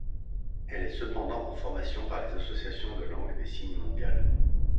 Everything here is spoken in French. Elle est cependant en formation par les associations de langue des signes mondiales.